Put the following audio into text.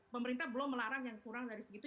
pemerintah belum melarang yang kurang dari segitu